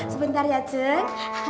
sebentar ya jeng